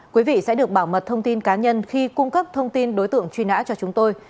quý vị sẽ được bảo mật thông tin cá nhân khi cung cấp thông tin đối tượng truy nã cho chúng tôi